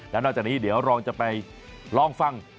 แล้วนอกจากนี้เดี๋ยวเราจะไปลองฟัง